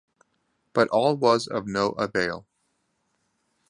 But all was of no avail.